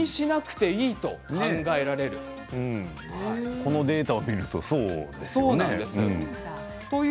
このデータを見るとそうですね。